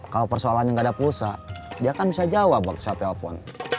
kalau persoalannya gak ada pulsa dia kan bisa jawab waktu saya telepon